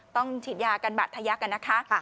ต้องฉีดยากันบาดทะยักกันนะคะ